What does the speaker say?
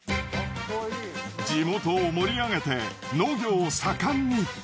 地元を盛り上げて農業を盛んに。